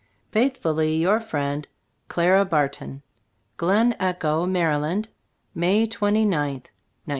Faithfully your friend, CLARA BARTON. Glen Echo, Maryland, May twenty ninth, 1907.